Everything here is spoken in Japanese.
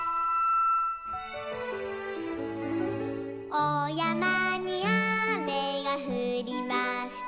「おやまにあめがふりました」